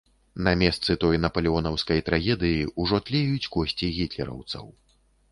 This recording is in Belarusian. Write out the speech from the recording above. На месцы той напалеонаўскай трагедыі ўжо тлеюць косці гітлераўцаў.